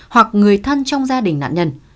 hoặc người thân trong gia đình nạn nhân